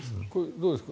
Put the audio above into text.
どうですか？